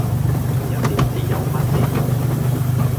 今日電視有乜節目？